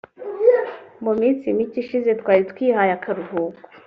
“Mu minsi mike ishize twari twihaye akaruhuko